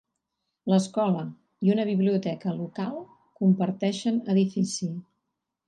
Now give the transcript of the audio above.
L'escola i una biblioteca local comparteixen edifici.